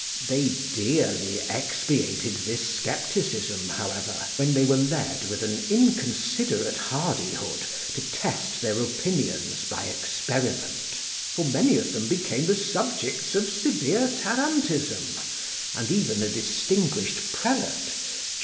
They dearly expiated this scepticism, however, when they were led, with an inconsiderate hardihood, to test their opinions by experiment; for many of them became the subjects of severe tarantism, and even a distinguished prelate, Jo.